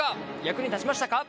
役に立ちましたか？